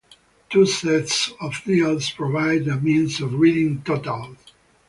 Two sets of dials provided a means of reading totals.